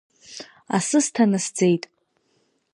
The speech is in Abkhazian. Асы сҭанасӡеит.